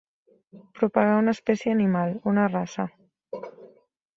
Propagar una espècie animal, una raça.